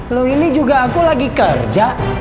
lu ini juga aku lagi kerja